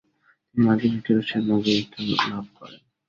তিনি মার্কিন যুক্তরাষ্ট্রের নাগরিকত্ব লাভ করেন।